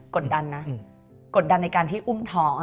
กดดันนะกดดันในการที่อุ้มท้อง